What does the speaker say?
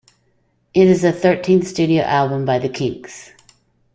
It is the thirteenth studio album by The Kinks.